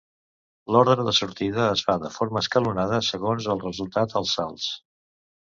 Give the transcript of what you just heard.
L'ordre de sortida es fa de forma escalonada segons el resultat als salts.